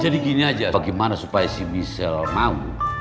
jadi gini aja bagaimana supaya si michelle mau